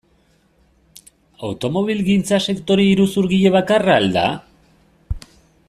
Automobilgintza sektoreko iruzurgile bakarra al da?